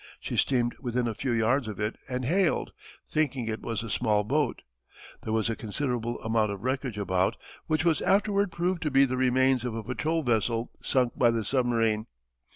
She steamed within a few yards of it and hailed, thinking it was a small boat. There was a considerable amount of wreckage about, which was afterward proved to be the remains of a patrol vessel sunk by the submarine.